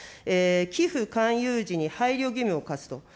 寄付勧誘時に配慮義務を課すと。